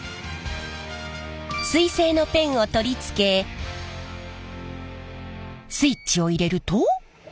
水性のペンを取り付けスイッチを入れると。